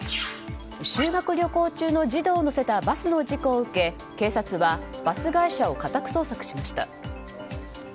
修学旅行中の児童を乗せたバスの事故を受け警察はバス会社を家宅捜索しました。